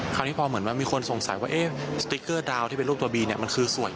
คราวนี้พอเหมือนว่ามีคนสงสัยว่าเอ๊ะสติ๊กเกอร์ดาวที่เป็นรูปตัวบีเนี่ยมันคือสวย